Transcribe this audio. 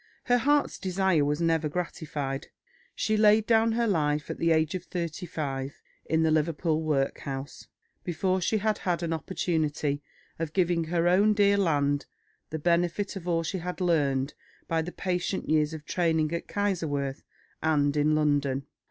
Her heart's desire was never gratified; she laid down her life, at the age of thirty five, in the Liverpool Workhouse, before she had had an opportunity of giving to her own dear land the benefit of all she had learned by the patient years of training at Kaiserswerth and in London.